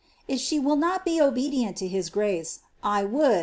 "If she will not ba uhedic iil to his grace, [ would."